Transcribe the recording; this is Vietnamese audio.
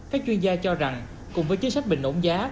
các chuyên gia cho rằng cùng với chính sách bình ổn giá